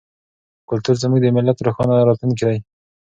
کلتور زموږ د ملت روښانه راتلونکی دی.